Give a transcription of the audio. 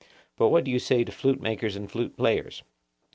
But what do you say to flute makers and flute players?